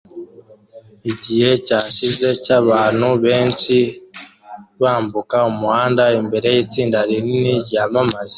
Igihe cyashize cyabantu benshi bambuka umuhanda imbere yitsinda rinini ryamamaza